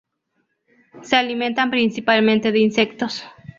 Se alimentan principalmente de insectos.